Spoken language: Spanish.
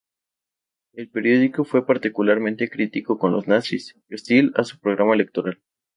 El periódico fue particularmente crítico con los nazis y hostil a su programa electoral.